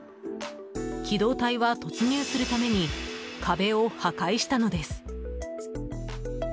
機動隊は突入するために壁を破壊したのです。